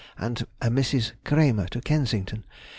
and a Mrs. Kramer to Kensington.